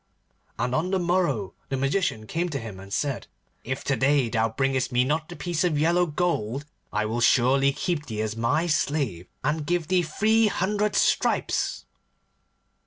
And on the morrow the Magician came to him, and said, 'If to day thou bringest me not the piece of yellow gold, I will surely keep thee as my slave, and give thee three hundred stripes.